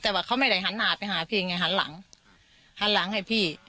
แต่ว่าเขาไม่ได้หันหน้าไปหาพี่ไงหันหลังหันหลังให้พี่